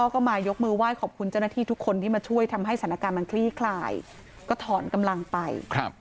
การมันคลีคลายก็ถอนกำลังไป